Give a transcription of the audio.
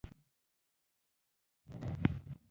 • دښمني د نفاق وسیله ده.